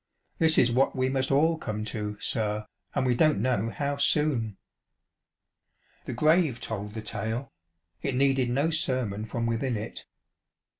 This is what we must all come to, sir, and we don't know how soon." The grave told the tale ; it needed no sermon from within it.